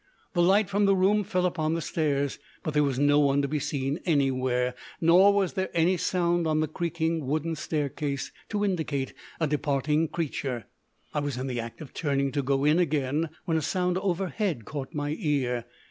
The light from the room fell upon the stairs, but there was no one to be seen anywhere, nor was there any sound on the creaking wooden staircase to indicate a departing creature. I was in the act of turning to go in again when a sound overhead caught my ear.